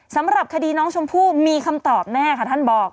สำหรับคดีน้องชมพู่มีคำตอบแน่ค่ะท่านบอก